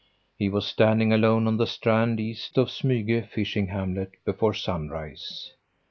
He was standing alone on the strand east of Smyge fishing hamlet before sunrise.